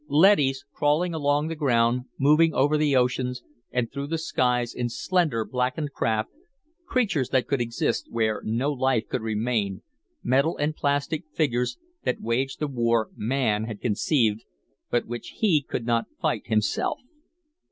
Leadys, crawling along the ground, moving over the oceans or through the skies in slender, blackened craft, creatures that could exist where no life could remain, metal and plastic figures that waged a war Man had conceived, but which he could not fight himself.